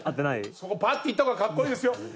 そこパーッていった方がかっこいいですよ。